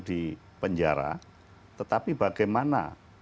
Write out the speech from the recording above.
dipenjara tetapi bagaimana